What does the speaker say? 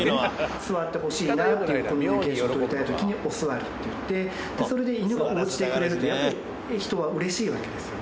座ってほしいなっていうコミュニケーションを取りたい時にお座りって言ってそれで犬が応じてくれるとやっぱり人は嬉しいわけですよね。